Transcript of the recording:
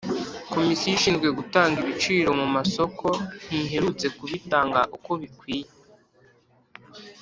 Komisiyo ishinzwe gutanga ibiciro mu masoko ntiherutse kubitanga uko bikwiye